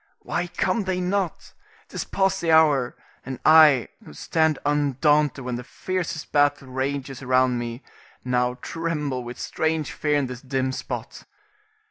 Why come they not? 'Tis past the hour, and I who stand undaunted when the fiercest battle rages round me, now tremble with strange fear in this dim spot.